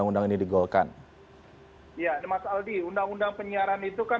jadi tetap harus sesuai dengan normal